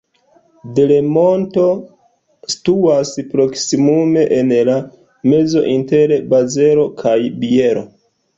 Delemonto situas proksimume en la mezo inter Bazelo kaj Bielo.